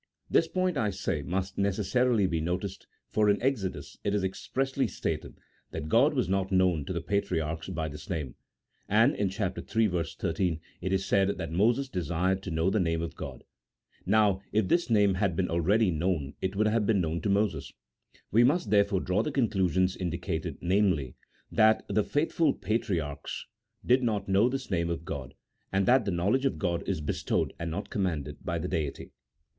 This point, I say, must necessarily be noticed, for in Exodus it is expressly stated that God was not known to the patriarchs by this name ; and in chap. iii. 13, it is said that Moses desired to know the name of God. Now, if this name had been al ready known it would have been known to Moses. We must therefore draw the conclusion indicated, namely, that the faithful patriarchs did not know this name of God, and that the knowledge of God is bestowed and not commanded by the Deity.